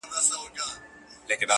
بابولاره وروره راسه تې لار باسه;